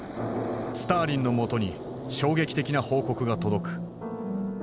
スターリンのもとに衝撃的な報告が届く。